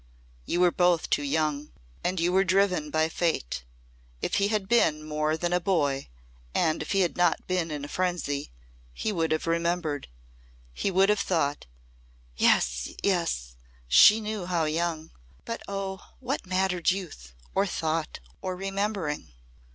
"You were both too young and you were driven by fate. If he had been more than a boy and if he had not been in a frenzy he would have remembered. He would have thought " Yes yes! She knew how young! But oh, what mattered youth or thought or remembering!